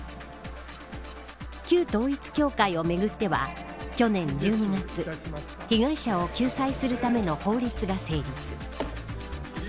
旧統一教会をめぐっては去年１２月被害者を救済するための法律が成立。